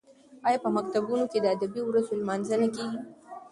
ایا په مکتبونو کې د ادبي ورځو لمانځنه کیږي؟